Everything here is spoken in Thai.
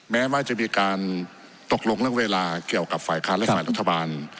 แม้ว่าจะมีการตกลงเรื่องเวลาเกี่ยวกับฝ่ายค้านและฝ่ายรัฐบาล